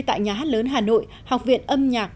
tại nhà hát lớn hà nội học viện âm nhạc